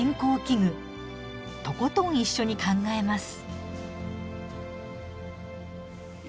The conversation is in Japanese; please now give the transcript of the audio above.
とことん一緒に考えます。